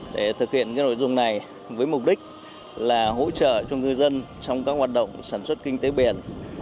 để thực hiện nội dung này với mục đích là hỗ trợ cho ngư dân trong các hoạt động sản xuất kinh tế biển